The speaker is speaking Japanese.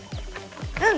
うん！